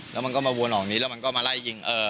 แล้วมันก็มาวนออกนี้แล้วมันก็มาไล่ยิง